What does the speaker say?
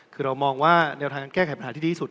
คือเรามองว่าแนวทางการแก้ไขปัญหาที่ดีที่สุด